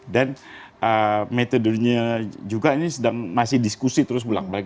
dan metodenya juga ini masih diskusi terus bulan bulan